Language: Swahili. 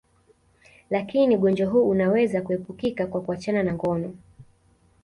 Lakini ugonjwa huu unaweza kuepukika kwa kuachana na ngono